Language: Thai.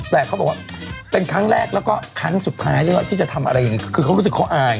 ซึ่งครับบอกว่าเพราะอายเขาก็ไม่อยากจะออก